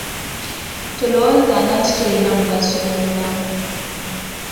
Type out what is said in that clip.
Tolowoozanga nti tolina mugaso mu bulamu.